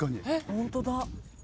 ホントだ。